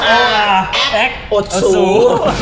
แอ๊กอดสู